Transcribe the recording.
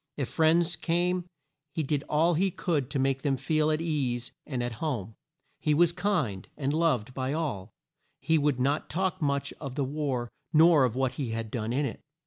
If friends came he did all he could to make them feel at ease and at home. He was kind, and loved by all. He would not talk much of the war nor of what he had done in it.